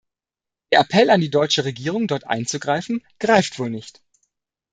Der Appell an die deutsche Regierung, dort einzugreifen, greift wohl nicht.